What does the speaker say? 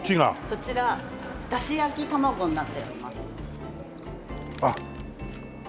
そちらだし焼玉子になっております。